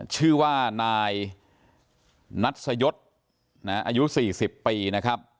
ชื่อว่านายนัทสยศอายุ๔๐ปีนะครับ